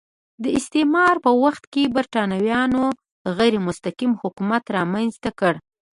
د استعمار په وخت کې برېټانویانو غیر مستقیم حکومت رامنځته کړ.